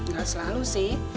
gak selalu sih